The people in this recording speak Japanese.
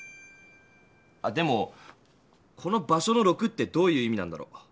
でもこの場所の「６」ってどういう意味なんだろう？